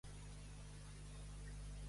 Com va reaccionar Tersites davant aquest fet?